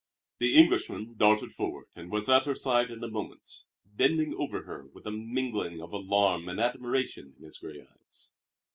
The Englishman darted forward and was at her side in a moment, bending over her with a mingling of alarm and admiration in his gray eyes.